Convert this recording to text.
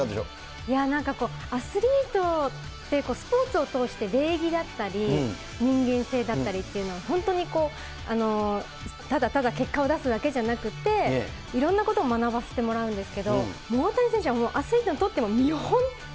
いやアスリートって、スポーツを通して礼儀だったり、人間性だったりというのを、本当にただただ結果を出すだけじゃなくて、いろんなことを学ばせてもらうんですけれども、大谷選手はアスリートにとっても見本。